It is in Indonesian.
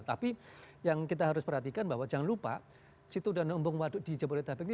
tapi yang kita harus perhatikan bahwa jangan lupa situ dana embung waduk di jabodetabek ini